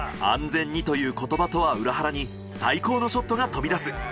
安全にという言葉とは裏腹に最高のショットが飛び出す。